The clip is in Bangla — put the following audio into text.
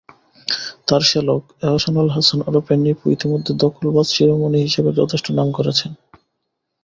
তাঁর শ্যালক এহসানুল হাসান ওরফে নিপু ইতিমধ্যে দখলবাজ-শিরোমণি হিসেবে যথেষ্ট নাম করেছেন।